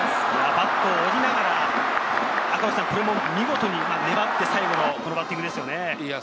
バットを折りながら、見事に粘って最後、このバッティングですよね。